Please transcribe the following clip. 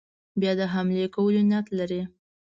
بیا د حملې کولو نیت لري.